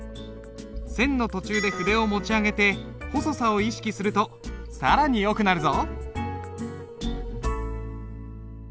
線の途中で筆を持ち上げて細さを意識すると更によくなるぞ。